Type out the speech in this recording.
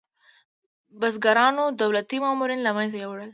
بزګرانو دولتي مامورین له منځه یوړل.